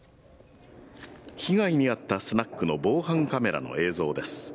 被害に遭ったスナックの防犯カメラの映像です。